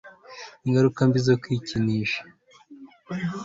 Ingaruka mbi zo kwikinisha